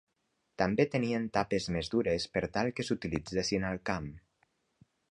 També tenien tapes més dures per tal que s'utilitzessin al camp.